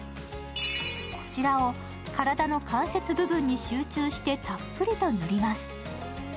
こちらを体の関節部分に集中してたっぷりと塗ります。